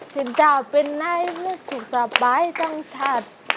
เพื่อนเจ้าเป็นไหนไม่ถึงสบายตั้งชาติ